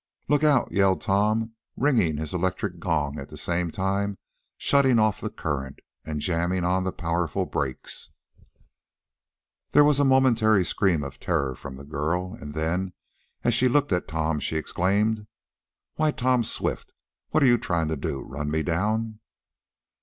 "Look out!" yelled Tom, ringing his electric gong, at the same time shutting off the current, and jamming on the powerful brakes. There was a momentary scream of terror from the girl, and then, as she looked at Tom, she exclaimed: "Why, Tom Swift! What are you trying to do? Run me down?"